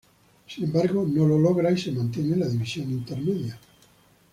Sin embargo, no lo logra y se mantiene en la División Intermedia.